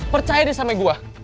percaya deh sama gue